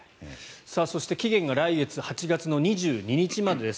そして期限が来月８月２２日までです。